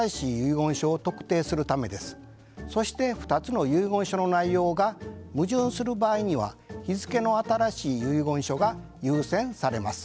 そして２つの遺言書の内容が矛盾する場合には日付の新しい遺言書が優先されます。